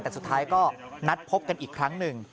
แต่สุดท้ายก็นัดพบกันอีกครั้งหนึ่ง